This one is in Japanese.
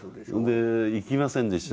で行きませんでした。